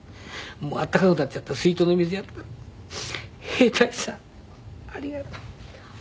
温かくなっちゃった水筒の水やったら「兵隊さんありがとう」って。